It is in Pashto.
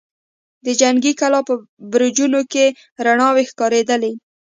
د جنګي کلا په برجونو کې رڼاوې ښکارېدلې.